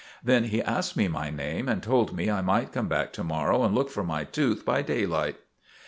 Then he asked me my name, and told me I might come back to morrow and look for my tooth by daylight."